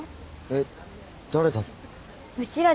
えっ誰だろ？